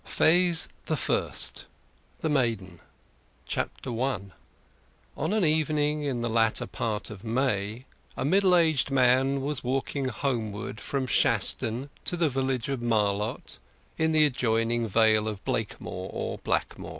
Phase the First: The Maiden I On an evening in the latter part of May a middle aged man was walking homeward from Shaston to the village of Marlott, in the adjoining Vale of Blakemore, or Blackmoor.